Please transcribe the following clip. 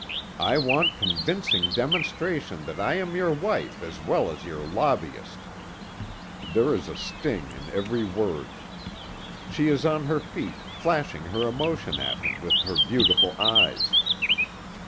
I want convincing demonstration that I am your wife as well as your lobbyist." There is a sting in every word. She is on her feet, flashing her emotion at him with her beautiful eyes.